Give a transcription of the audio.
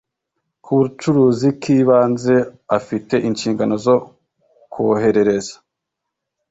k ubucuruzi k ibanze afite inshingano zo koherereza